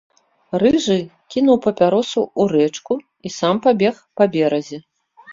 Рыжы кінуў папяросу ў рэчку і сам пабег па беразе.